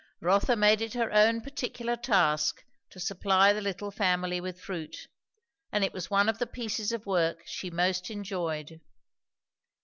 Rotha made it her own particular task to supply the little family with fruit; and it was one of the pieces of work she most enjoyed.